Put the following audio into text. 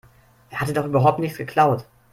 Er hatte doch überhaupt nichts geklaut.